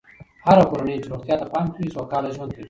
هره کورنۍ چې روغتیا ته پام کوي، سوکاله ژوند کوي.